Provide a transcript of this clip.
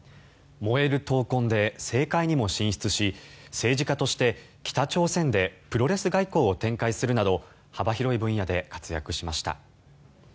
燃える闘魂で政界にも進出し政治家として北朝鮮でプロレス外交を展開するなど幅広い分野で活躍しました。